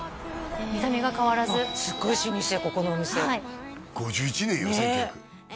見た目が変わらずすごい老舗ここのお店５１年よ１９００ねえ